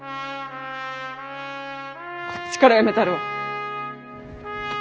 こっちから辞めたるわ。